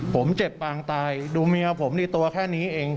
ผมเจ็บปางตายดูเมียผมในตัวแค่นี้เอง